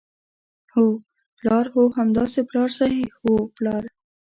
هو، پلار، هو همداسې پلار صحیح وو، پلار.